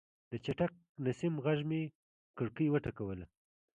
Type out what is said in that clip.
د چټک نسیم غږ مې کړکۍ وټکوله.